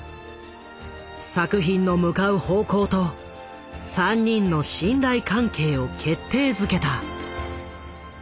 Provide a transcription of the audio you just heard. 作品の向かう方向と３人の信頼関係を決定づけた。